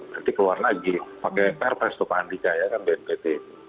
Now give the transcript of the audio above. nanti keluar lagi pakai prpes itu pak andika ya kan bnpt